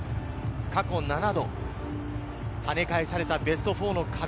過去７度、跳ね返されたベスト４の壁。